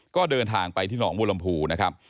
ก็เดินทางไปที่หนองบัวลำพูนะครับ